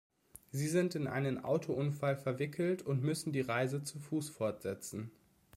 Sie sind in einen Autounfall verwickelt und müssen die Reise zu Fuß fortsetzen.